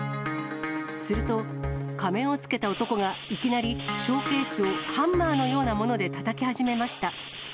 すると、仮面をつけた男が、いきなりショーケースをハンマーのようなものでたたき始めました。